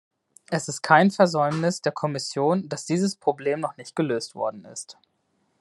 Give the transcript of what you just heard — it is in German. Es ist kein Versäumnis der Kommission, dass dieses Problem noch nicht gelöst worden ist.